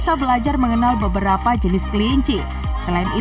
ya ambil dulu nggak boot khusus arun tuning yang banyak dis mutations